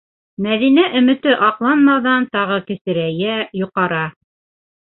Мәҙинә өмөтө аҡланмауҙан тағы кесерәйә, йоҡара